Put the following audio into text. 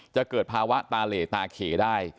จะเกิดภาวะตาเหลตาเขได้